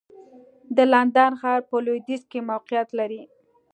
د لندن ښار په لوېدیځ کې موقعیت لري.